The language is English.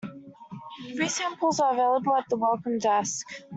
Free samples are available at the Welcome Desk.